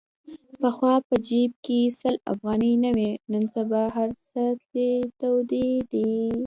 پخوا په جیب کې سل افغانۍ نه وې. نن سبا هرڅه تلې تودې دي.